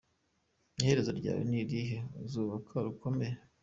Iherezo ryawe ni irihe? Uzubaka rukomere?.